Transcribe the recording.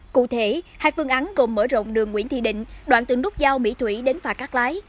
cụ thể hai phương án gồm mở rộng đường nguyễn thị định đoạn từ nút giao mỹ thủy đến phà cắt lái